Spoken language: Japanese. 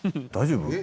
大丈夫？